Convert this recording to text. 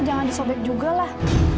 jangan disobek juga lah